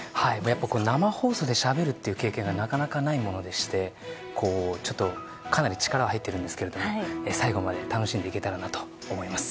生放送でしゃべるという経験がなかなかないものでしてちょっとかなり力が入っているんですけど最後まで楽しんでいけたらなと思います。